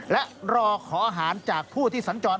และรอขออาหารจากผู้ที่สัญจร